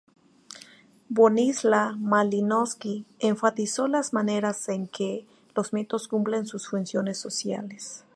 Bronisław Malinowski enfatizó las maneras en que los mitos cumplen sus funciones sociales.